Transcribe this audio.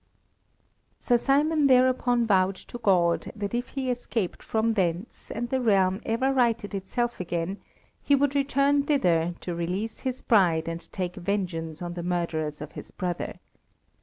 Sir Simon thereupon vowed to God that if he escaped from thence, and the realm ever righted itself again, he would return thither to release his bride and take vengeance on the murderers of his brother.